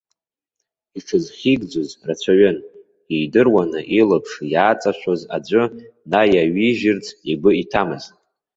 Иҽызхьигӡоз рацәаҩын, иидыруаны илаԥш иааҵашәоз аӡәы днаиаҩижьырц игәы иҭамызт.